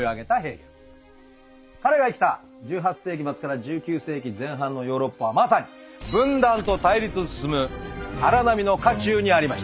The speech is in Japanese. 彼が生きた１８世紀末から１９世紀前半のヨーロッパはまさに分断と対立進む荒波の渦中にありました。